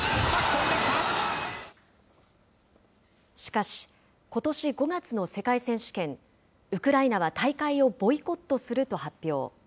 しかし、ことし５月の世界選手権、ウクライナは大会をボイコットすると発表。